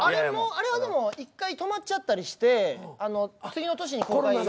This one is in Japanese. あれはでも１回止まっちゃったりして次の年に公開を。